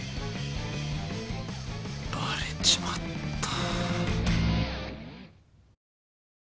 バレちまった。